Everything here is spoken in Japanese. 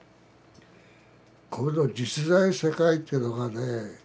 この実在世界というのがね